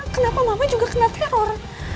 kenapa mama juga kena teror